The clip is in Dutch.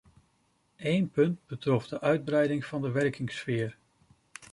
Eén punt betrof de uitbreiding van de werkingssfeer.